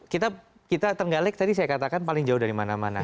kita terenggalek tadi saya katakan paling jauh dari mana mana